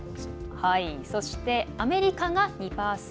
そして、アメリカが２％。